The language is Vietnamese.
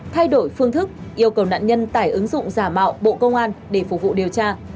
thay đổi phương thức yêu cầu nạn nhân tải ứng dụng giả mạo bộ công an để phục vụ điều tra